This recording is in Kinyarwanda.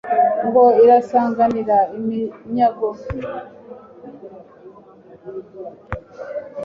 Ngo irasanganira iminyago